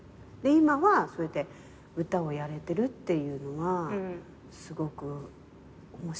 今はそうやって歌をやれてるっていうのはすごく面白いなっていう。